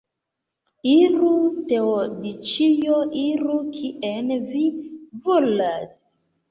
Iru, Teodĉjo, iru, kien vi volas!